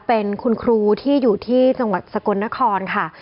เป็นคุณครูที่อยู่ที่จังหวัดสกลนครค่ะ